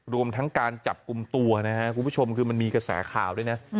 รวมทั้งการจับกุมตัวคุณผู้ชมมันมีกระแสข่าวด้วยนะ